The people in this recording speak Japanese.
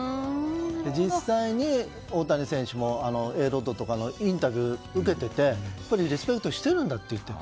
実際に大谷選手もＡ・ロッドのインタビューを受けてリスペクトしているんだと言っている。